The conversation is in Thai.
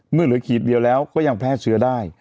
เมื่อเหลือขีดเดียวแล้วก็ยังแพร่เชื้อได้